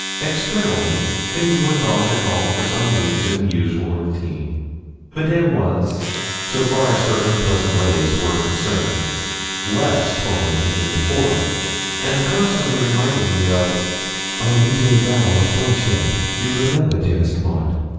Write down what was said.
Externally things went on at Knowl for some weeks in the usual routine. Madame was, so far as her unpleasant ways were concerned, less tormenting than before, and constantly reminded me of 'our leetle vow of friendship, you remember, dearest Maud!'